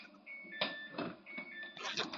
Nangmah le nangmah i hrem tuk hlah.